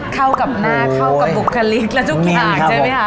เข้ากับหน้าเข้ากับบุคลิกและทุกอย่างใช่ไหมคะ